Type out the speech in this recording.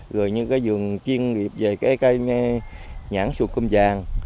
rồi những cái giường chuyên nghiệp về cái cây nhãn sụt cơm vàng